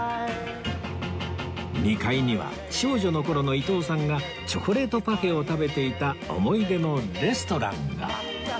２階には少女の頃の伊東さんがチョコレートパフェを食べていた思い出のレストランが